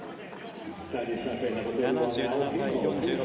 ７７対４６。